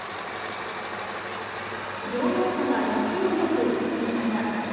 乗用車が勢いよく突っ込みました。